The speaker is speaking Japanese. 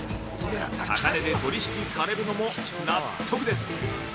高値で取引されるのも納得です。